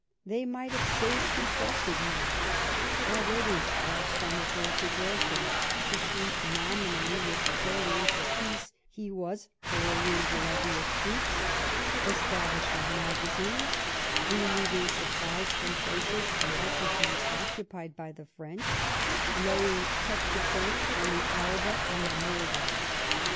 They might have safely trusted him. Already, whilst on his road to Dresden, to treat nominally with Napoleon for peace, he was hurrying the levy of troops; establishing magazines ; removing supplies from places likely to be occupied by the French ; laying tetes de pont on the Elbe and the Moldau.